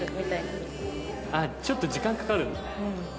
あっちょっと時間かかるんだ。